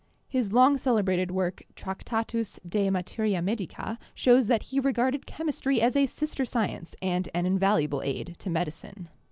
His long celebrated work, 'Tractatus de Materia Medica,' shows that he regarded chemistry as a sister science and an invaluable aid to medicine.